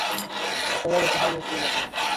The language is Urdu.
کروڑوں بچے ہر روزسکول جا تے ہیں۔